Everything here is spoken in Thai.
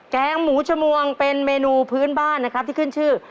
แกงหมูชมวงเป็นเมนูพื้นบ้านนะครับที่ขึ้นชื่อ